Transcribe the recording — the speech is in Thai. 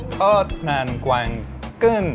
ทอดมันกวางกุ่น